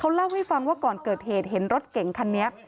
เล่าให้ฟังว่าก่อนเกิดเหตุเห็นรถเก่งคันนี้